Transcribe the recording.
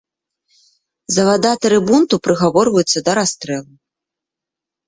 Завадатары бунту прыгаворваюцца да расстрэлу.